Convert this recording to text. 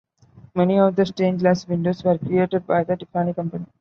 Many of the stained glass windows were created by the Tiffany Company.